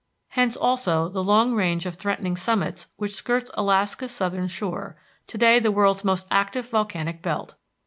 Hence also the long range of threatening summits which skirts Alaska's southern shore, to day the world's most active volcanic belt.